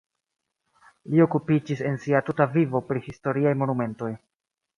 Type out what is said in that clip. Li okupiĝis en sia tuta vivo pri historiaj monumentoj.